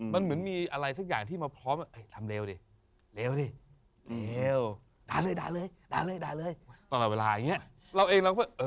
มันเหมือนมีอะไรสักอย่างที่มาพร้อมทำเร็วดิเร็วดิเร็วด่าเลยต้องเอาเวลาอย่างนี้